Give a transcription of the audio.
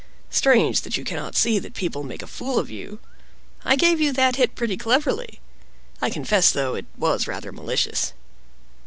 Strange that you cannot see that people make a fool of you! I gave you that hit pretty cleverly. I confess, though, it was rather malicious."